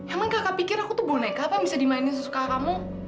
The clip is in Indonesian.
emang kakak pikir aku tuh boneka apa bisa dimainin sesuka kamu